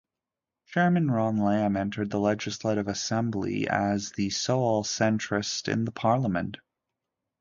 Chairman Ron Lam entered the Legislative Assembly as the sole centrist in the parliament.